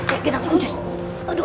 aduh aduh aduh